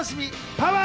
パワー！